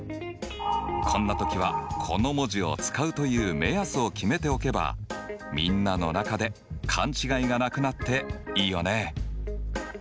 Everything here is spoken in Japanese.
こんな時はこの文字を使うという目安を決めておけばみんなの中で勘違いがなくなっていいよね。